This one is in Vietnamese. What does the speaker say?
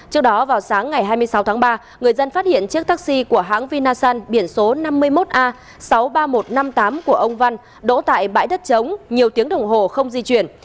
trước đó vào sáng ngày hai mươi sáu tháng ba người dân phát hiện chiếc taxi của hãng vinasun biển số năm mươi một a sáu mươi ba nghìn một trăm năm mươi tám của ông văn đỗ tại bãi đất chống nhiều tiếng đồng hồ không di chuyển